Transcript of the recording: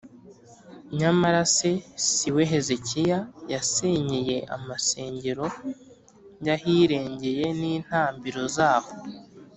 nyamara se si we Hezekiya yasenyeye amasengero y’ahirengeye n’intambiro zaho,